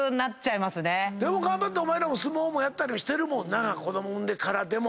でも頑張ってお前らも相撲もやったりしてるもんな子供産んでからでも。